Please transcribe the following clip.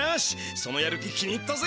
そのやる気気に入ったぜ！